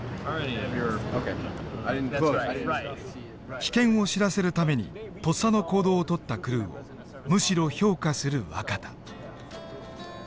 危険を知らせるためにとっさの行動をとったクルーをむしろ評価する若田。